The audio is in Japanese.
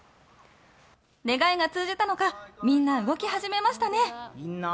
願いが通じたのかみんな動き始めましたね。